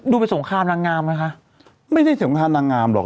ไปสงครามนางงามไหมคะไม่ได้สงครามนางงามหรอก